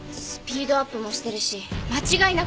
スピードアップもしてるし間違いなく駅の近く。